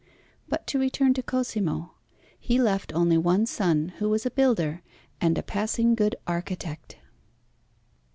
But to return to Cosimo; he left only one son, who was a builder and a passing good architect.